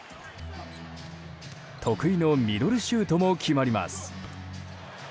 得意のミドルシュートも決まります。